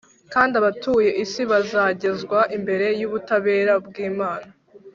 kandi abatuye isi bazagezwa imbere yUbutabera bwImana